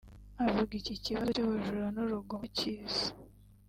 avuga iki kibazo cy’ubujura n’urugomo bakizi